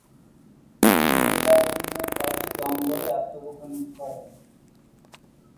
তিনি রেললাইনের পাশের জঙ্গলে আত্মগোপন করেন।